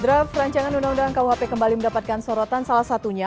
draft rancangan undang undang kuhp kembali mendapatkan sorotan salah satunya